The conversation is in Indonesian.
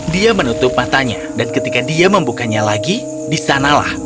dia menutup matanya dan ketika dia membukanya lagi disanalah